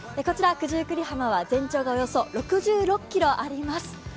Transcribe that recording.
こちら九十九里浜は、全長がおよそ６６ｋｍあります。